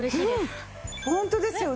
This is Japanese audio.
ホントですよね。